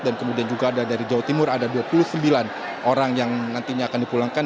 dan kemudian juga ada dari jawa timur ada dua puluh sembilan orang yang nantinya akan dipulangkan